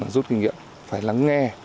rút kinh nghiệm phải lắng nghe